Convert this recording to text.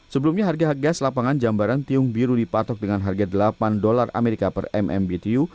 sebelumnya harga gas lapangan jambaran tiung biru dipatok dengan harga delapan dolar amerika per mmbtu